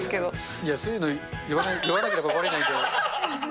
いや、そういうの、言わなければばれないのに。